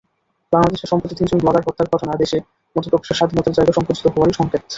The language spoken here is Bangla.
বাংলাদেশে সম্প্রতি তিনজন ব্লগার হত্যার ঘটনা দেশে মতপ্রকাশের স্বাধীনতার জায়গা সংকুচিত হওয়ারই সংকেত।